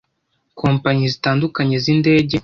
Kompanyi zitandukanye z'indege